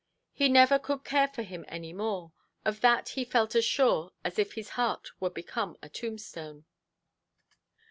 He never could care for him any more; of that he felt as sure as if his heart were become a tombstone.